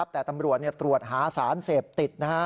แต่ตำรวจตรวจหาสารเสพติด